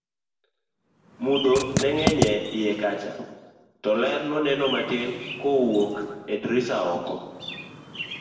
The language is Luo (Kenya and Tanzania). mudho neng'eny e iye kacha to ler noneno matin kawuok e drisa oko